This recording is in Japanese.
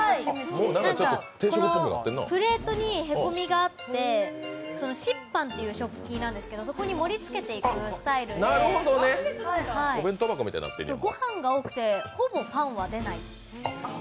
プレートにへこみがあって、シッパンっていう食器なんですけど、そこに盛り付けていくスタイルでご飯が多くてほぼパンは出ない。